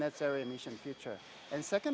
untuk emisi net zero di masa depan